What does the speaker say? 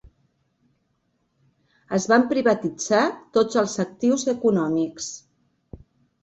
Es van privatitzar tots els actius econòmics.